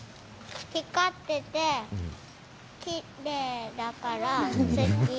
光ってて、きれいだから、好き。